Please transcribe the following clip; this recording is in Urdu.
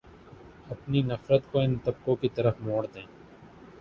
اپنی نفرت کو ان طبقوں کی طرف موڑ دیں